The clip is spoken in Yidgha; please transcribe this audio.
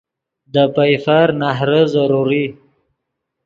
دے پئیفر نہرے ضروری